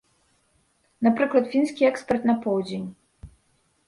Напрыклад, фінскі экспарт на поўдзень.